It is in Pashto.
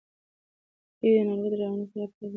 پي پي پي ناروغي د رواني روغتیا لپاره بیړنۍ ده.